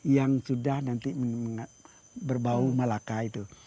yang sudah nanti berbau malaka itu